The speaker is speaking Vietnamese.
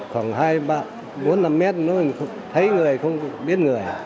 khoảng hai ba bốn năm mét nó thấy người không biết người